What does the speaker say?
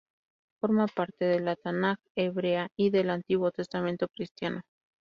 Forma parte de la "Tanaj" hebrea y del Antiguo Testamento cristiano.